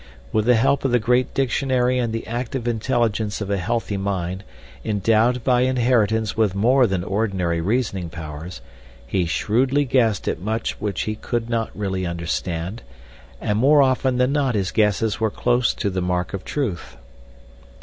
With the help of the great dictionary and the active intelligence of a healthy mind endowed by inheritance with more than ordinary reasoning powers he shrewdly guessed at much which he could not really understand, and more often than not his guesses were close to the mark of truth.